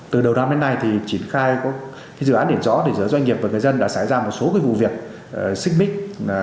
từ đầu năm đến nay thì triển khai dự án để rõ doanh nghiệp và người dân đã xảy ra một số vụ việc xích mích